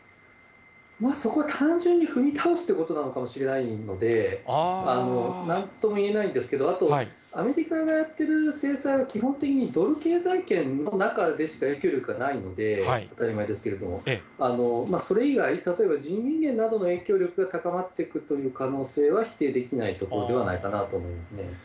そこは単純に踏み倒すということなのかもしれないので、なんとも言えないんですけど、アメリカがやってる制裁は、基本的にドル経済圏の中でしか、影響力がないので、当たり前ですけれども、それ以外、例えば人民元などの影響力が高まっていくという可能性は、否定できないところではないかなと思いますね。